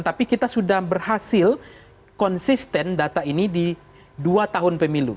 tapi kita sudah berhasil konsisten data ini di dua tahun pemilu